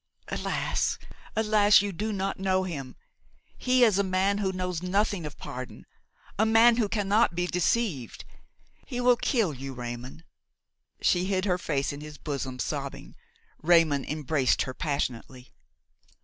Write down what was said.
"Alas! alas! you do not know him; he is a man who knows nothing of pardon–a man who cannot be deceived; He will kill you, Raymon!" She hid her face in his bosom, sobbing. Raymon embraced her passionately.